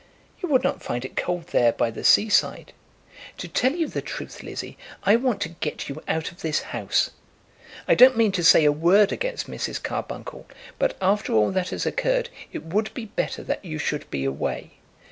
"You would not find it cold there by the sea side. To tell you the truth, Lizzie, I want to get you out of this house. I don't mean to say a word against Mrs. Carbuncle; but after all that has occurred, it would be better that you should be away.